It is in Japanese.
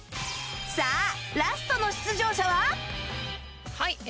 さあラストの出場者は